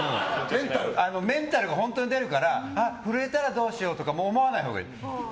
メンタルが本当に出るから震えたらどうしようとか思わないほうがいい。